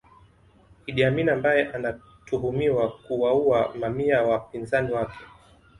Idi Amin ambaye anatuhumiwa kuwaua mamia ya wapinzani wake